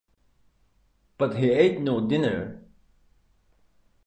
But he ate no dinner.